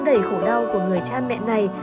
đầy khổ đau của người cha mẹ này